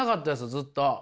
ずっと。